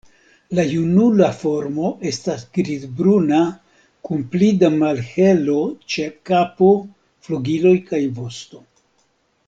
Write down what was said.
La junula formo estas griz-bruna kun pli da malhelo ĉe kapo, flugiloj kaj vosto.